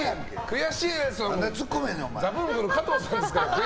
悔しいです！はザブングル加藤さんですから。